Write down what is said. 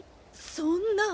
そんな。